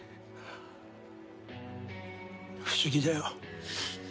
不思議だよ。